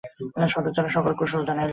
সাধুচরণ সকলের কুশল জানাইল।